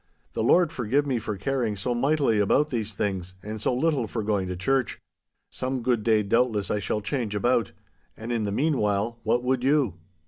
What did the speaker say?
The Lord forgive me for caring so mightily about these things and so little for going to church! Some good day, doubtless, I shall change about. And in the meanwhile, what would you?